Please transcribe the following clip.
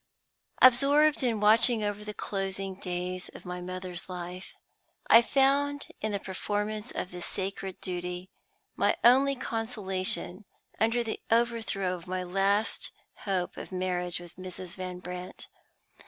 Absorbed in watching over the closing days of my mother's life, I found in the performance of this sacred duty my only consolation under the overthrow of my last hope of marriage with Mrs. Van Brandt.